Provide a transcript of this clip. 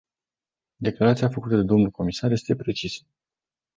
Declarația făcută de domnul comisar este precisă.